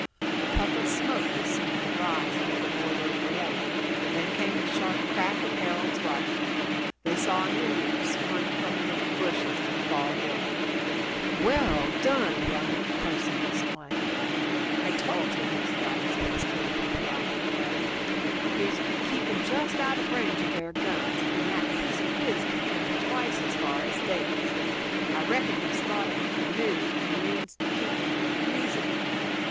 A puff of smoke was seen to rise near the border of the lake; then came the sharp crack of Harold's rifle. They saw an Indian spring from the bushes and fall dead. "Well done, young un!" Pearson exclaimed. "I told yer he'd got his head screwed on the right way. He's keeping just out of range of their guns, and that piece of his can carry twice as far as theirs. I reckon he's thought of the canoe, and means to keep 'em from using it.